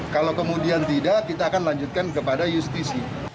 kalau kemudian tidak kita akan lanjutkan kepada justisi